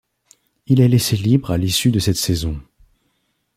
Il est laissé libre à l'issue de cette saison.